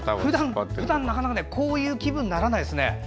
ふだんなかなかこういう気分にならないですね。